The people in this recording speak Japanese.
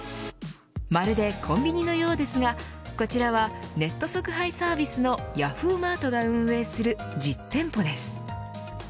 まるでコンビニのようですがこちらはネット即配サービスのヤフーマートが運営する実店舗です。